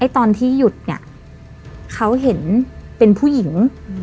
ตอนที่หยุดเนี่ยเขาเห็นเป็นผู้หญิง